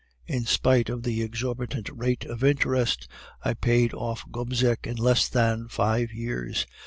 In spite of the exorbitant rate of interest, I paid off Gobseck in less than five years.